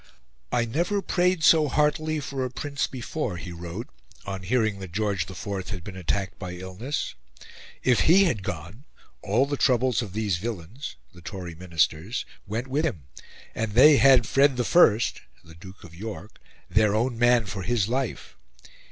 "I never prayed so heartily for a Prince before," he wrote, on hearing that George IV had been attacked by illness. "If he had gone, all the troubles of these villains (the Tory Ministers) went with him, and they had Fred. I (the Duke of York) their own man for his life.